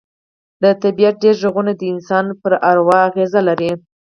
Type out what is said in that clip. د طبیعت ډېر غږونه د انسان پر اروا اغېز لري